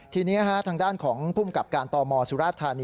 ทีนี้ฮะทางด้านของพุ่มกับการตมสุราชธารณี